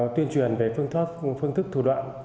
tuyên truyền về phương thức thủ đoạn